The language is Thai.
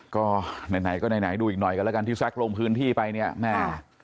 ก็ไหนก็ไหนดูอีกหน่อยกันแล้วกันที่แซ็กลงพื้นที่ไปเนี่ยแม่